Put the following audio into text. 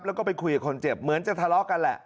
แล้วก็ไปคุยกับคนเจ็บเหมือนจะทะเลาะกันแหละ